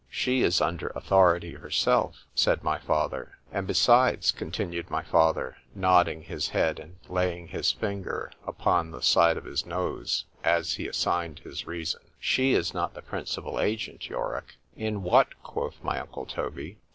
—She is under authority herself, said my father:—and besides, continued my father, nodding his head, and laying his finger upon the side of his nose, as he assigned his reason,—she is not the principal agent, Yorick.—In what, quoth my uncle _Toby?